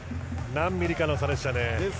何ミリかの差でしたね。